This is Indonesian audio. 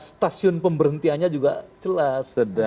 stasiun pemberhentianya juga jelas